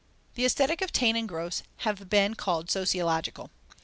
The Aesthetics of Taine and of Grosse have been called sociological.